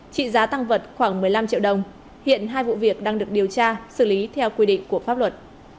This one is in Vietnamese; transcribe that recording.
trị giá tăng vật khoảng một mươi năm triệu đồng hiện hai vụ việc đang được điều tra xử lý theo quy định của pháp luật